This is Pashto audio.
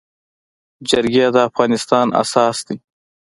جرګي د افغانستان اساس دی.